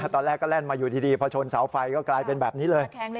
ตอนแรกก็แล่นมาอยู่ดีพอชนเสาไฟก็กลายเป็นแบบนี้เลย